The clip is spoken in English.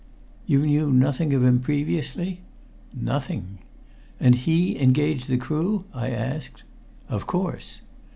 "You knew nothing of him previously?" "Nothing." "And he engaged the crew?" I asked. "Of course."